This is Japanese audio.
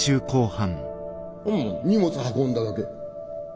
「荷物運んだだけ」